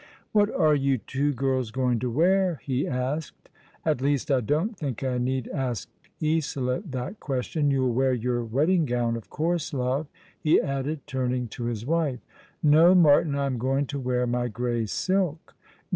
" What are you two girls going to wear ?" he asked. " At least, I don't think I need ask Isola that question. You'll wear your wedding gown, of course, love ?" he added, turning to his wife. '•' No, Martin, I am going to wear my grey silk."